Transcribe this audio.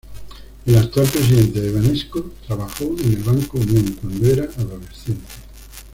El actual presidente de Banesco trabajó en el Banco Unión cuando era adolescente.